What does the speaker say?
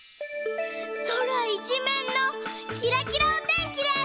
そらいちめんのキラキラおてんきです！